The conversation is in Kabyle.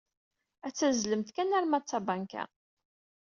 Ad tazzlemt kan arma d tabanka.